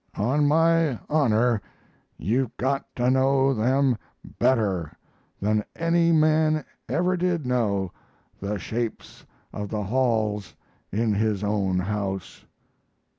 "On my honor, you've got to know them better than any man ever did know the shapes of the halls in his own house."